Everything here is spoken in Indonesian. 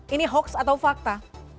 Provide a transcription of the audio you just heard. ini hoaks atau fakta